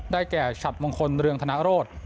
ได้แก่ฉับมงคลเรืองธนโรศ